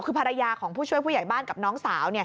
คือภรรยาของผู้ช่วยผู้ใหญ่บ้านกับน้องสาว